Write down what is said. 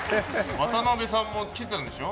渡邊さんも来てたんでしょ？